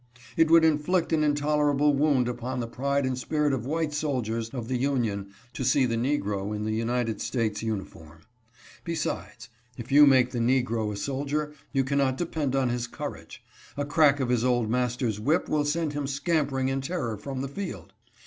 " It would inflict an intolerable wound upon the pride and spirit of white soldiers of the Union to see the negro in the United States uniform. Besides, if you make the negro a soldier, you cannot depend on his courage ; a crack of his old master's whip will send him scampering in terror from the field."